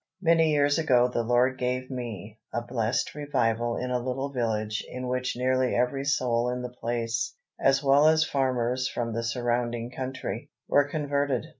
Many years ago the Lord gave me a blessed revival in a little village in which nearly every soul in the place, as well as farmers from the surrounding country, were converted.